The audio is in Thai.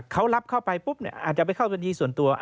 เขารับเข้าไปปุ๊บอาจจะไปเข้าบัญชีส่วนตัว